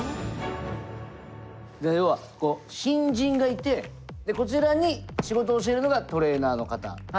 要はこう新人がいてこちらに仕事を教えるのがトレーナーの方。